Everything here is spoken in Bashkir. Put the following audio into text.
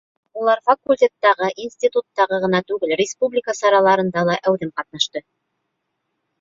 Улар факультеттағы, институттағы ғына түгел, республика сараларында ла әүҙем ҡатнашты.